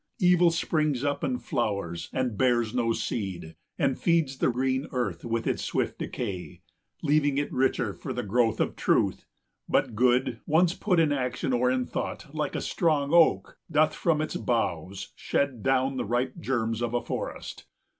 Evil springs up, and flowers, and bears no seed, And feeds the green earth with its swift decay, Leaving it richer for the growth of truth; 245 But Good, once put in action or in thought, Like a strong oak, doth from its boughs shed down The ripe germs of a forest.